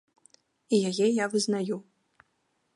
І яе я вызнаю.